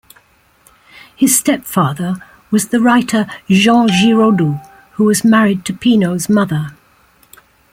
His stepfather was the writer Jean Giraudoux, who was married to Pineau's mother.